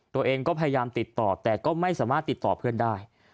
ตัวเองก็พยายามติดต่อแต่ก็ไม่สามารถติดต่อเพื่อนได้